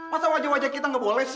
masa wajah wajah kita nggak boleh sih